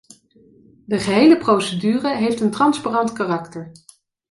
De gehele procedure heeft een transparant karakter.